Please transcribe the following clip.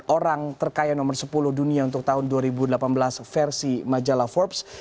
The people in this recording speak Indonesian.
orang terkaya nomor sepuluh dunia untuk tahun dua ribu delapan belas versi majalah forbes